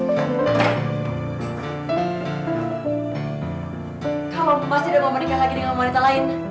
kalau kamu masih mau menikah lagi dengan wanita lain